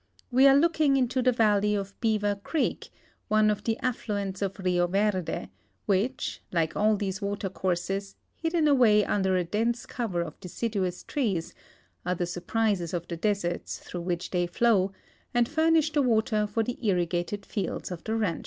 We are looking into the valley of Beaver creek, one of the aflluents of Rio Verde, which, like all these water courses, hidden away under a dense cover of deciduous trees, are the surprises of tiie (leserts through which they flow, and furnish the water for the irrigated fields of the rancher.